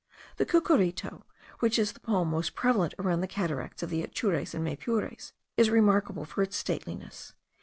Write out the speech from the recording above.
The cucurito, which is the palm most prevalent around the cataracts of the Atures and Maypures, is remarkable for its stateliness.